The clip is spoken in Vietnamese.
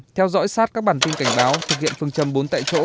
theo dõi sát các bản tin cảnh báo thực hiện phương châm bốn tại chỗ